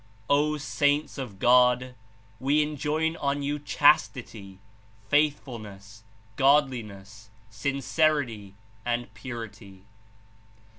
"O saints of God! We enjoin on you chastity, faithfulness, godliness, sincerity and purity.